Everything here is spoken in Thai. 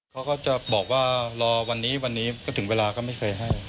เขาก็จะบอกว่ารอวันนี้วันนี้ก็ถึงเวลาก็ไม่เคยให้